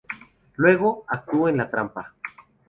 Luego, actuó en "La trampa".